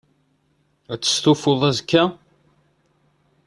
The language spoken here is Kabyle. Ad testufuḍ azekka?